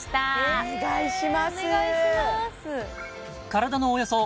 お願いします